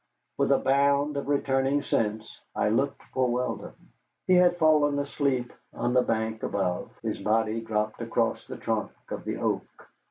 With a bound of returning sense I looked for Weldon. He had fallen asleep on the bank above, his body dropped across the trunk of the oak.